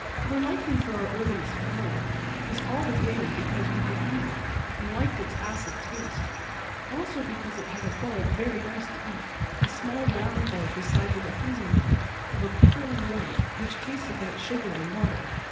Our liking for our earliest flower was all the greater because we could eat it and liked its acid taste, also because it had a bulb very nice to eat a small round bulb the size of a hazel nut, of a pearly white, which tasted like sugar and water.